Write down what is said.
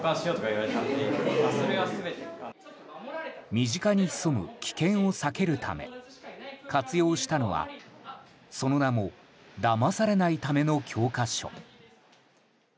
身近に潜む危険を避けるため活用したのはその名も「騙されない為の教科書」。